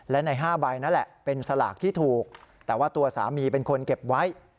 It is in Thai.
และใน๕ใบนั่นแหละเป็นสลากที่ถูกแต่ว่าตัวสามีเป็นคนเก็บไว้